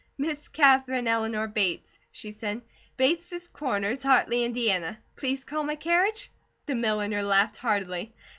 "Miss Katherine Eleanor Bates," she said. "Bates Corners, Hartley, Indiana. Please call my carriage?" The milliner laughed heartily.